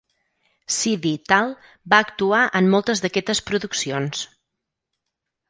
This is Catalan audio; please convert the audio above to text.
Sidi Tal va actuar en moltes d'aquestes produccions.